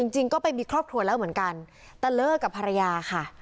จริงก็ไปมีครอบครัวแล้วเหมือนกันแต่เลิกกับภรรยาค่ะ